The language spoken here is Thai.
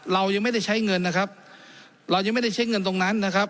เรายังไม่ได้ใช้เงินนะครับเรายังไม่ได้ใช้เงินตรงนั้นนะครับ